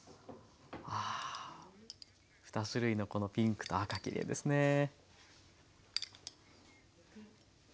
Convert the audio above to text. ああ２種類のこのピンクと赤きれいですね。